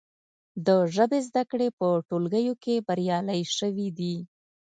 د ژبې زده کړې په ټولګیو کې بریالۍ شوي دي.